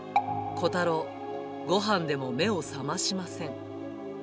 コタロー、ごはんでも目を覚ましません。